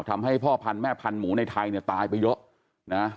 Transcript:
ทำให้พ่อพันธ์แม่พันธุในไทยเนี่ยตายไปเยอะนะ